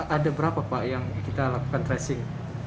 ada berapa pak yang kita lakukan tracing